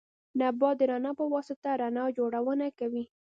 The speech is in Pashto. نبات د رڼا په واسطه رڼا جوړونه کوي